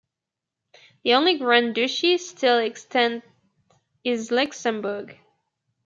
The only grand duchy still extant is Luxembourg.